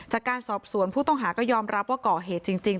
จากการสอบสวนผู้ต้องหาก็ยอมรับว่าก่อเหตุจริง